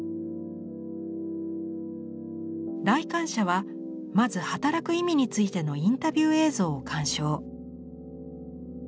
来館者はまず働く意味についてのインタビュー映像を鑑賞。